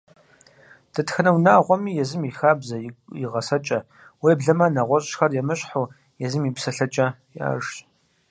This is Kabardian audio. Дэтхэнэ унагъуэми езым и хабзэ, и гъэсэкӀэ, уеблэмэ, нэгъуэщӀхэм емыщхьу, езым и псэлъэкӀэ иӀэжщ.